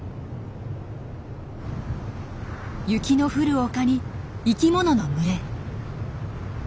雪の降る丘に生きものの群れ。